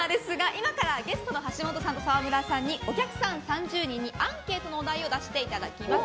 今から、ゲストの橋本さんと沢村さんにお客さん３０人にアンケートのお題を出してもらいます。